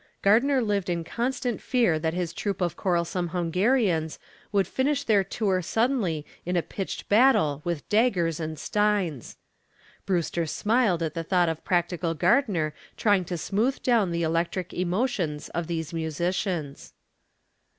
Gardner lived in constant fear that his troop of quarrelsome Hungarians would finish their tour suddenly in a pitched battle with daggers and steins. Brewster smiled at the thought of practical Gardner trying to smooth down the electric emotions of these musicians.